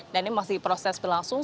dan ini masih proses berlangsung